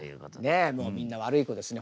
ねえもうみんな悪い子ですね